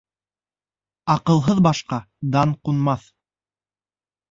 Аҡылһыҙ башҡа дан ҡунмаҫ